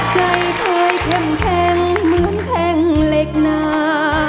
ใจเคยแข็งแข็งเหมือนแข็งเล็กน้า